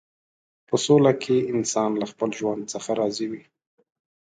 په سوله کې انسانان له خپل ژوند څخه راضي وي.